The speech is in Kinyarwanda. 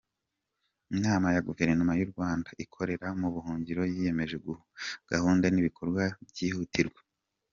Inama ya Guverinoma y’u Rwanda ikorera mu buhungiro yemeje gahunda n’ibikorwa byihutirwa